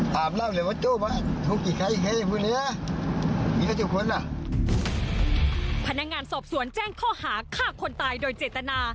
พนักงานสอบสวนแจ้งข้อหาฆ่าคนตายโดยเจตนา